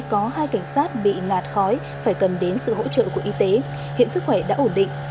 có hai cảnh sát bị ngạt khói phải cần đến sự hỗ trợ của y tế hiện sức khỏe đã ổn định